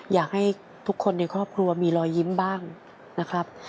อยากให้ทุกคนในครอบครัวมีรอยยิ้มบ้างนะครับ